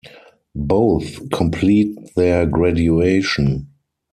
Both complete their graduation.